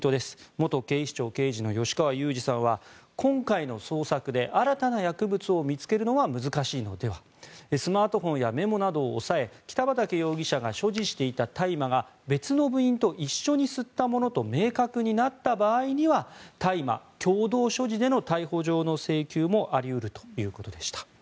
元警視庁刑事の吉川祐二さんは今回の捜索で新たな薬物を見つけるのは難しいのではスマートフォンやメモなどを押さえ北畠容疑者が所持していた大麻が別の部員と一緒に吸ったものと明確になった場合には大麻共同所持での逮捕状の請求もあり得るということでした。